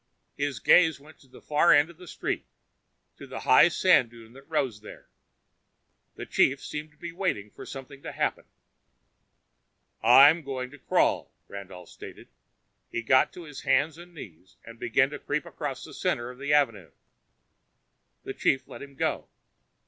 His gaze went to the far end of the street, to the high sand dune that rose there. The chief seemed to be waiting for something to happen. "I'm going to crawl," Randolph stated. He got to his hands and knees and began to creep across the center of the avenue. The chief let him go.